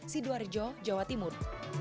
sidoarjo jawa timur